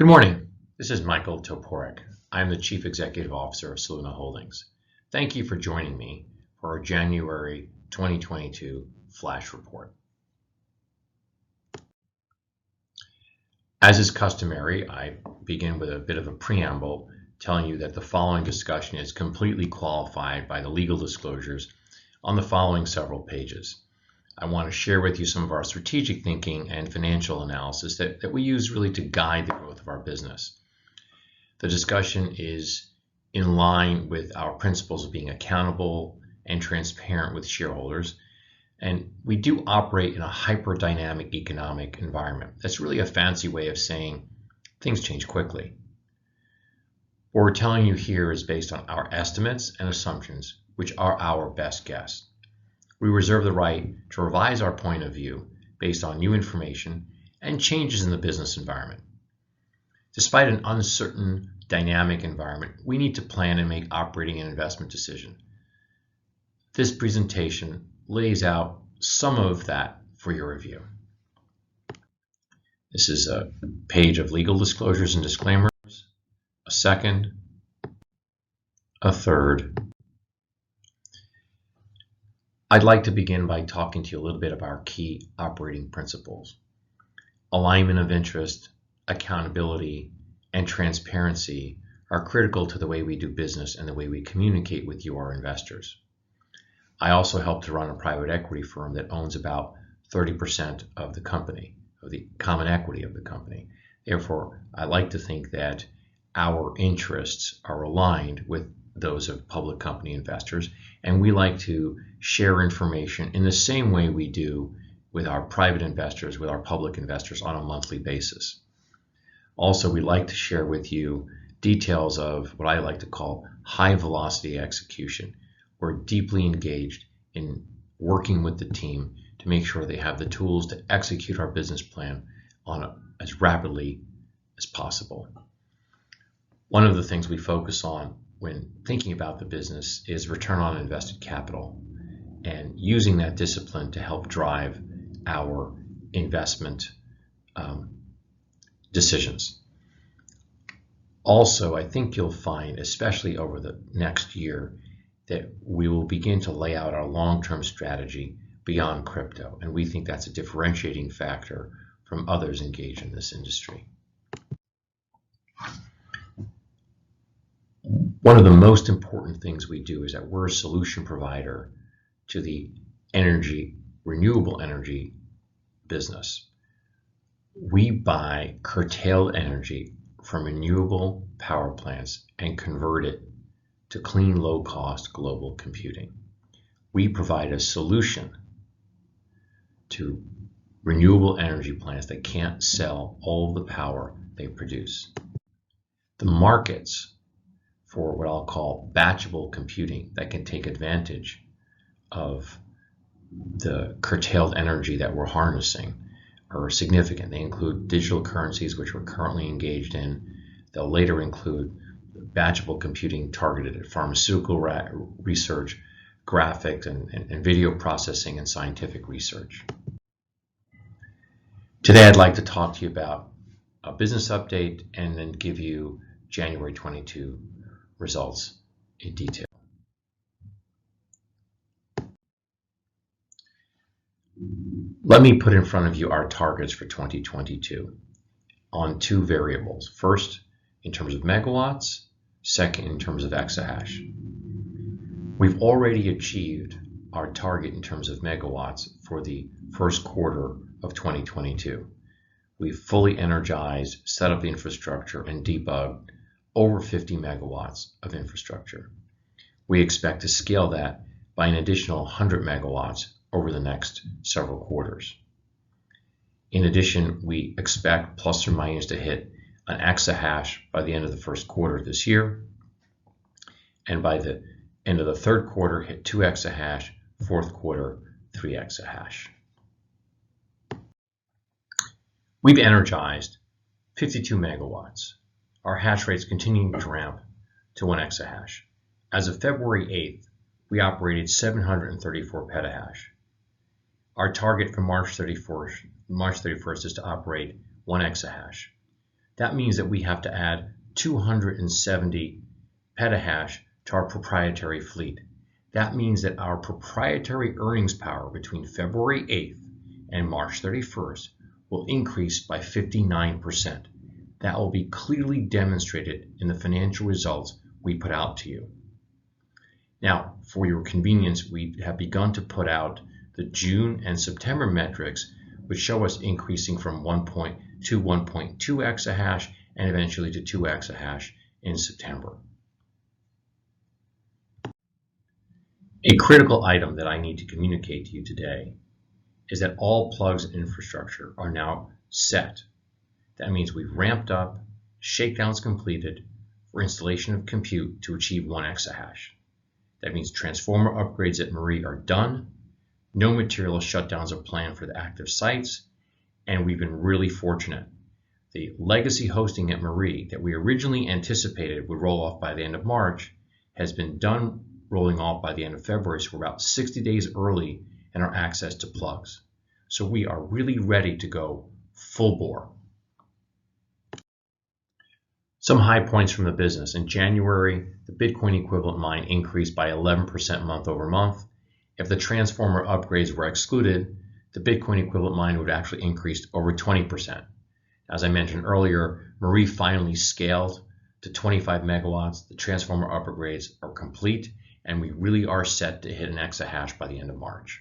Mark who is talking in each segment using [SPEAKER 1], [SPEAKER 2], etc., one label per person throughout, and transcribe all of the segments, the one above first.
[SPEAKER 1] Good morning. This is Michael Toporek. I'm the Chief Executive Officer of Soluna Holdings. Thank you for joining me for our January 2022 flash report. As is customary, I begin with a bit of a preamble telling you that the following discussion is completely qualified by the legal disclosures on the following several pages. I want to share with you some of our strategic thinking and financial analysis that we use really to guide the growth of our business. The discussion is in line with our principles of being accountable and transparent with shareholders, and we do operate in a hyper-dynamic economic environment. That's really a fancy way of saying things change quickly. What we're telling you here is based on our estimates and assumptions, which represent our best estimates. We reserve the right to revise our point of view based on new information and changes in the business environment. Despite an uncertain dynamic environment, we need to plan and make operating and investment decisions. This presentation lays out some of that for your review. This is a page of legal disclosures and disclaimers, a second, a third. I'd like to begin by talking to you a little bit about our key operating principles. Alignment of interest, accountability, and transparency are critical to the way we do business and the way we communicate with you, our investors. I also help run a private equity firm that owns about 30% of the company’s common equity Therefore, I like to think that our interests are aligned with those of public company investors, and we like to share information in the same way we do with our private investors, with our public investors on a monthly basis. Also, we like to share with you details of what I like to call high-velocity execution. We're deeply engaged in working with the team to make sure they have the tools to execute our business plan as rapidly as possible. One of the things we focus on when thinking about the business is return on invested capital and using that discipline to help guide our investment decisions. Also, I think you'll find, especially over the next year, that we will begin to lay out our long-term strategy beyond crypto, and we think that's a differentiating factor from others engaged in this industry. One of the most important things we do is that we're a solution provider to the renewable energy business. We buy curtailed energy from renewable power plants and convert it to clean, low cost global computing. We provide a solution to renewable energy plants that can't sell all the power they produce. The markets for what I'll call batchable computing that can take advantage of the curtailed energy that we're harnessing are significant. They include digital currencies, which we're currently engaged in. They'll later include batchable computing targeted at pharmaceutical research, graphics and video processing and scientific research. Today, I'd like to talk to you about a business update and then give you January 2022 results in detail. Let me put in front of you our targets for 2022 on 2 variables. First, in terms of megawatts. Second, in terms of exahash. We've already achieved our target in terms of megawatts for the first quarter of 2022. We've fully energized, set up the infrastructure, and debugged over 50 MW of infrastructure. We expect to scale that by an additional 100 MW over the next several quarters. In addition, we expect to approximately hit 1 exahash by the end of the first quarter this year, and by the end of the third quarter, hit 2 exahash, fourth quarter, 3 exahash. We've energized 52 MW. Our hash rate's continuing to ramp to 1 exahash. As of February 8, we operated 734 petahash. Our target for March 31 is to operate 1 exahash. That means that we have to add 270 petahash to our proprietary fleet. That means that our proprietary earnings power between February 8 and March 31 will increase by 59%. That will be clearly demonstrated in the financial results we put out to you. Now, for your convenience, we have begun to put out the June and September metrics, which show us increasing from 1 to 1.2 exahash and eventually to 2 exahash in September. A critical item that I need to communicate to you today is that all plugs infrastructure are now set. That means we've ramped up, shakedowns completed for installation of compute to achieve 1 exahash. That means transformer upgrades at Marie are done. No material shutdowns are planned for the active sites, and we have been fortunate. The legacy hosting at Marie that we originally anticipated would roll off by the end of March has rolled off by the end of February, so we're about 60 days early in our access to plugs. We are ready to scale operations fully. Some high points from the business. In January, the Bitcoin equivalent mined increased by 11% month-over-month. If the transformer upgrades were excluded, the Bitcoin equivalent mined would have increased over 20%. As I mentioned earlier, Marie finally scaled to 25 MW. The transformer upgrades are complete, and we really are set to hit an exahash by the end of March.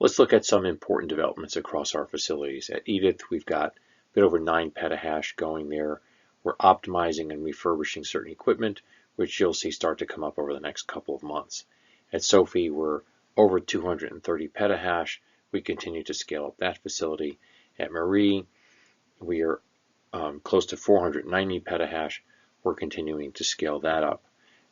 [SPEAKER 1] Let's look at some important developments across our facilities. At Edith, we've got a bit over 9 petahash going there. We're optimizing and refurbishing certain equipment, which you'll see start to come up over the next couple of months. At Sophie, we're over 230 petahash. We continue to scale up that facility. At Marie, we are close to 490 petahash. We're continuing to scale that up.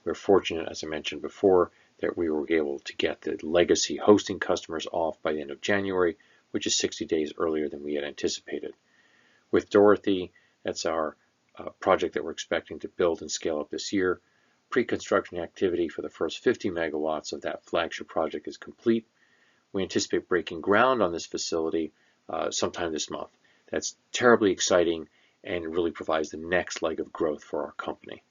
[SPEAKER 1] We're fortunate, as I mentioned before, that we were able to get the legacy hosting customers off by the end of January, which is 60 days earlier than we had anticipated. With Dorothy, that's our project that we're expecting to build and scale up this year. Pre-construction activity for the first 50 megawatts of that flagship project is complete. We anticipate breaking ground on this facility sometime this month. That's terribly exciting and really provides the next leg of growth for our company.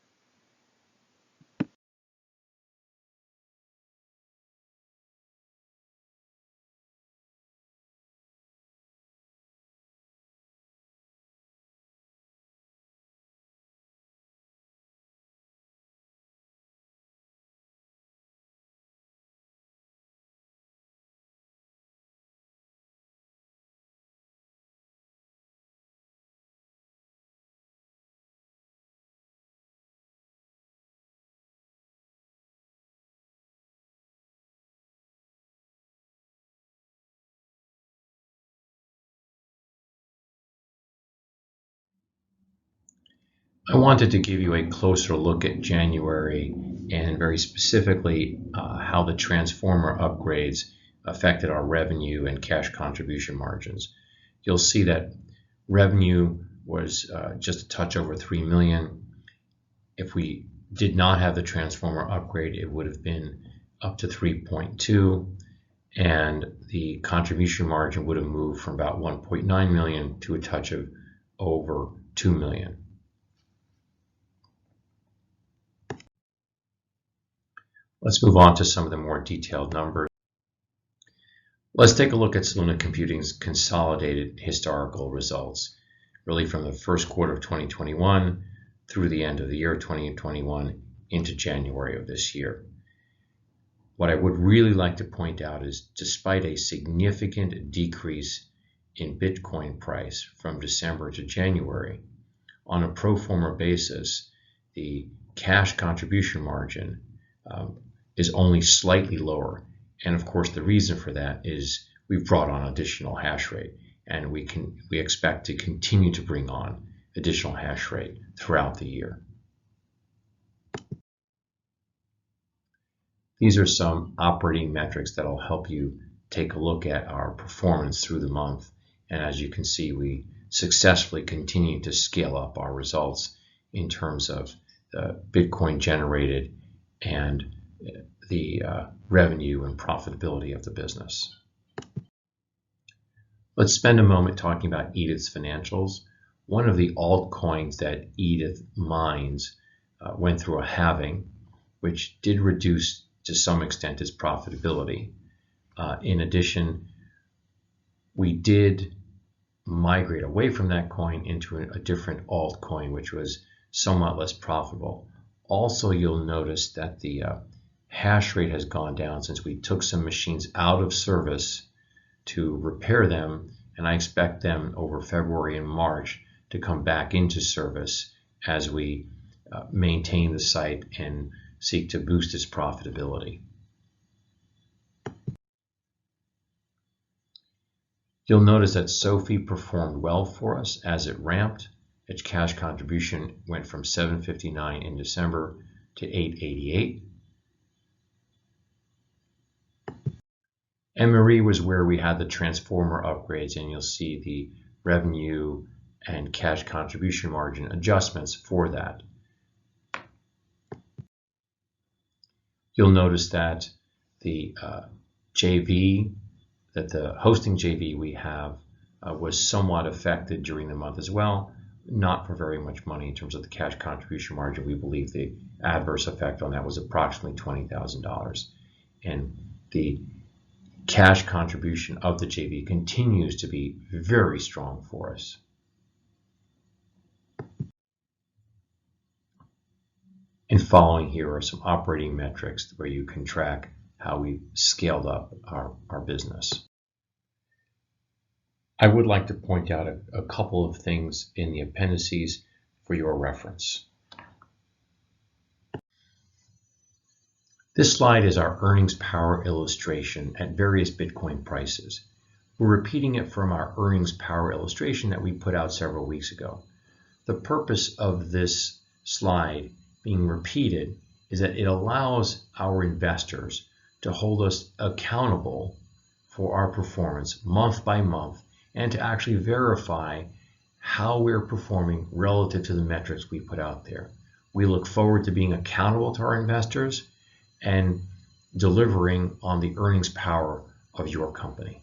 [SPEAKER 1] I wanted to give you a closer look at January and very specifically how the transformer upgrades affected our revenue and cash contribution margins. You'll see that revenue was just a touch over $3 million. If we did not have the transformer upgrade, it would have been up to $3.2 million, and the contribution margin would have moved from about $1.9 million to a touch over $2 million. Let's move on to some of the more detailed numbers. Let's take a look at Soluna Computing's consolidated historical results, really from the first quarter of 2021 through the end of the year of 2021 into January of this year. What I would really like to point out is despite a significant decrease in Bitcoin price from December to January, on a pro forma basis, the cash contribution margin is only slightly lower. Of course, the reason for that is we've brought on additional hash rate, and we expect to continue to bring on additional hash rate throughout the year. These are some operating metrics that will help you take a look at our performance through the month. As you can see, we successfully continued to scale up our results in terms of the Bitcoin generated and the revenue and profitability of the business. Let's spend a moment talking about Edith's financials. One of the altcoins that Edith mines went through a halving, which did reduce to some extent its profitability. In addition, we did migrate away from that coin into a different altcoin, which was somewhat less profitable. Also, you'll notice that the hash rate has gone down since we took some machines out of service to repair them, and I expect them over February and March to come back into service as we maintain the site and seek to boost its profitability. You'll notice that Sophie performed well for us as it ramped. Its cash contribution went from $759 in December to $888. Marie was where we had the transformer upgrades, and you'll see the revenue and cash contribution margin adjustments for that. You'll notice that the JV, that the hosting JV we have, was somewhat affected during the month as well, not for very much money in terms of the cash contribution margin. We believe the adverse effect on that was approximately $20,000. The cash contribution of the JV continues to be very strong for us. Following here are some operating metrics where you can track how we scaled up our business. I would like to point out a couple of things in the appendices for your reference. This slide is our earnings power illustration at various Bitcoin prices. We're repeating it from our earnings power illustration that we put out several weeks ago. The purpose of this slide being repeated is that it allows our investors to hold us accountable for our performance month by month, and to actually verify how we're performing relative to the metrics we put out there. We look forward to being accountable to our investors and delivering on the earnings power of your company.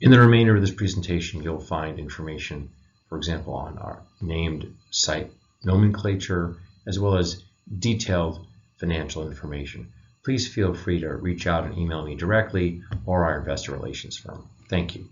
[SPEAKER 1] In the remainder of this presentation, you'll find information, for example, on our named site nomenclature, as well as detailed financial information. Please feel free to reach out and email me directly or our investor relations firm. Thank you.